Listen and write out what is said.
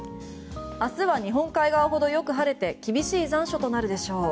明日は日本海側ほどよく晴れて厳しい残暑となるでしょう。